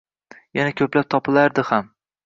Yana ko'plab topilardi ham.